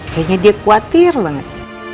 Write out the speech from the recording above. kayaknya dia khawatir banget